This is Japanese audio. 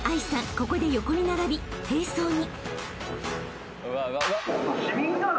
ここで横に並び並走に］